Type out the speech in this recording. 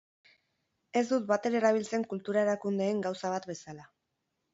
Ez dut batere erabiltzen kultura erakundeen gauza bat bezala.